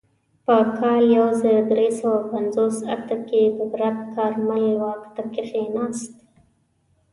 په کال یو زر درې سوه پنځوس اته کې ببرک کارمل واک ته کښېناست.